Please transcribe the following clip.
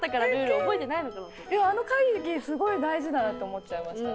あの会議すごい大事だなと思っちゃいましたね。